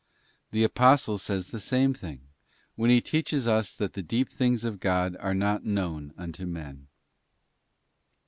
The Apostle says the same thing, when he teaches us that the deep things of God are not known unto men.